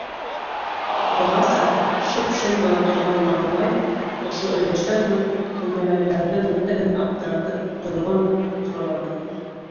Бығаса шып-шым ғына торған Мыраубай ошо өндәштән һуң, бүлмәләгеләрҙең бөтәһен аптыратып, ҡойроғон ҡыбырлатып: